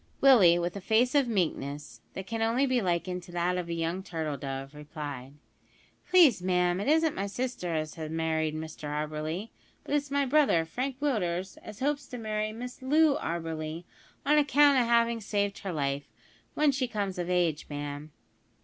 Willie, with a face of meekness, that can only be likened to that of a young turtle dove, replied: "Please, ma'am, it isn't my sister as has married Mr Auberly; but it's my brother, Frank Willders, as hopes to marry Miss Loo Auberly, on account o' havin' saved her life, w'en she comes of age, ma'am."